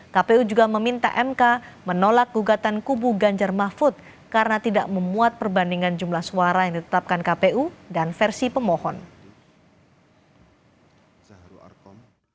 kpu juga meminta mk menolak gugatan kubu ganjar mahfud karena tidak memuat perbandingan jumlah suara yang ditetapkan kpu dan versi pemohon